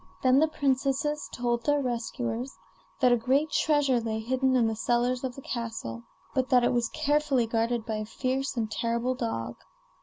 Then the princesses told their rescuers that a great treasure lay hidden in the cellars of the castle, but that it was carefully guarded by a fierce and terrible dog.